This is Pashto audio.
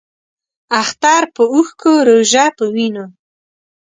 اختر پۀ اوښکو ، روژۀ پۀ وینو